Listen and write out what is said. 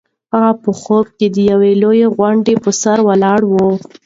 هغه په خوب کې د یوې لویې غونډۍ په سر ولاړه وه.